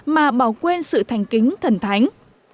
mà bảo quên sự thanh kính thần thánh